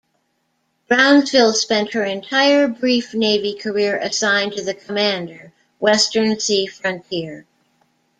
"Brownsville" spent her entire, brief Navy career assigned to the Commander, Western Sea Frontier.